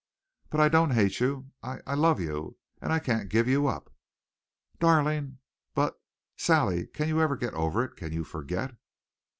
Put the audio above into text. "But I don't hate you. I I love you. And I can't give you up!" "Darling! But, Sally, can you get over it can you forget?"